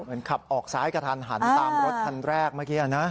เหมือนขับออกซ้ายกระทันหันตามรถคันแรกเมื่อกี้นะ